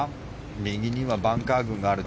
右にはバンカー群がある。